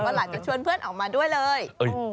หลานจะชวนเพื่อนออกมาด้วยเลย